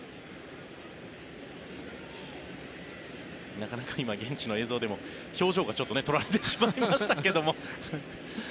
なかなか今、現地の映像でも表情が捉えられてしまいましたけども。